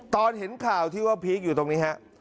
ตอนเห็นข่าวที่ว่าพีคอยู่ตรงนี้ครับ